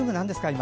今。